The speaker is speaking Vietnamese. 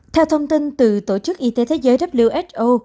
theo thông tin từ tổ chức y tế thế giới who